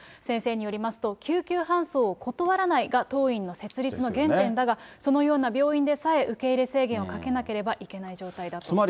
先生によりますと、救急搬送を断らないが、当院の設立の原点だが、そのような病院でさえ、受け入れ制限をかけなければいけない状態だと。